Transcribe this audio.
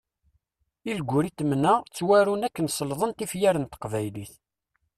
Ilguritment-a ttwaru akken selḍen tifyar n teqbaylit.